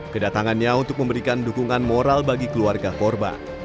kedatangannya untuk memberikan dukungan moral bagi keluarga korban